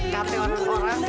kakek warna orang